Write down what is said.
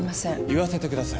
言わせてください。